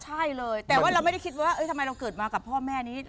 ใช่เลยแต่ว่าเราไม่ได้คิดว่าทำไมเราเกิดมากับพ่อแม่นี้